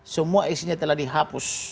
semua isinya telah dihapus